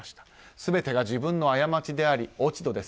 全てが自分の過ちであり落ち度です。